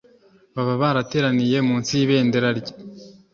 baba barateraniye munsi y'ibendera rye.